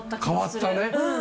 変わったね。